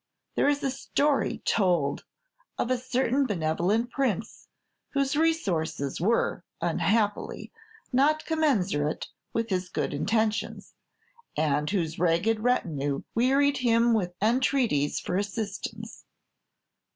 There is a story told of a certain benevolent prince, whose resources were, unhappily, not commensurate with his good intentions, and whose ragged retinue wearied him with entreaties for assistance.